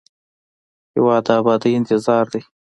هېواد د ابادۍ انتظار دی.